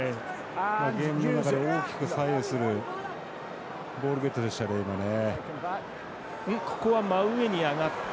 ゲームの流れを大きく左右するボールゲットでしたね、今ね。